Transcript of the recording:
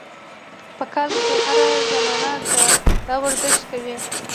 پکار ده چې هره زنانه دا ورزش کوي -